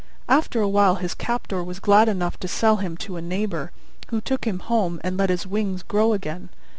After a while his Captor was glad enough to sell him to a neighbour, who took him home and let his wings grow again.